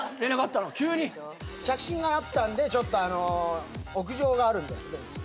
着信があったんでちょっと屋上があるんで秀んち。